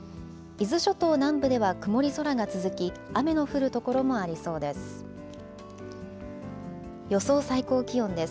伊豆諸島南部では曇り空が続き、雨の降る所もありそうです。